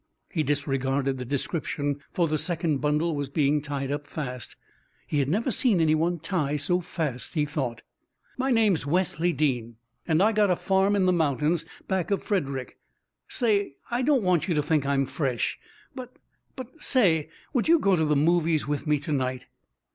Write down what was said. He disregarded the description, for the second bundle was being tied up fast. He had never seen any one tie so fast, he thought. "My name's Wesley Dean, and I got a farm in the mountains back of Frederick. Say I don't want you to think I'm fresh, but but say, would you go to the movies with me to night?"